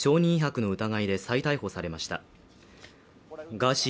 ガーシー